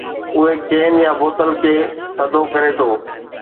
اهو ڪين يا بوتل کي ٿڌو ڪري ٿو.